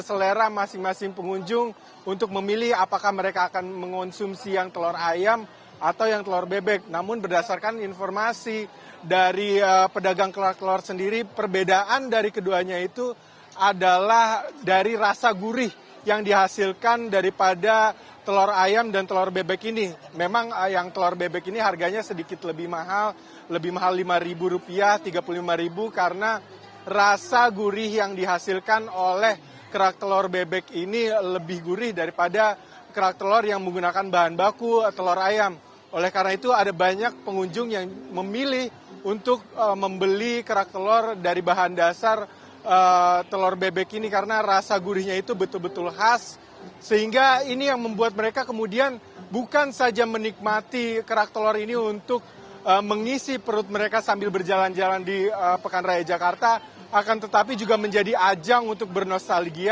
sehingga menimbulkan menciptakan memori juga untuk mereka ketika mereka besar nanti